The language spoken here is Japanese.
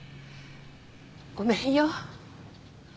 ごめんよ。